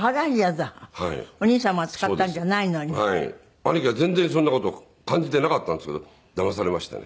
兄貴は全然そんな事を感じていなかったんですけどだまされましてね。